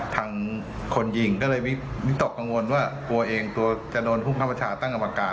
ทางคนยิงก็เลยวิริตกกังวลว่ากลัวเองตัวจะโดนภูมิคัฟภาษาตั้งอับอกาศ